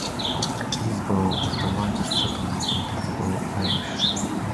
Hillsborough is the largest settlement in Hillsborough Parish.